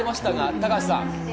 高橋さん。